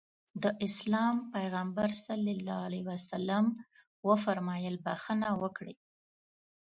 د اسلام پيغمبر ص وفرمايل بښنه وکړئ.